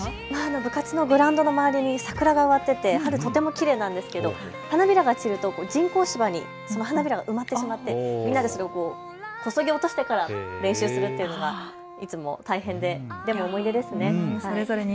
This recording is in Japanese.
部活のグラウンドの周りに桜が植わっていて春とてもきれいなんですけど花びらが散ると人工芝に花びらが埋まってしまっていてみんなでそれをこそぎ落としてから練習するというのがいつも大変で、いい思い出ですね。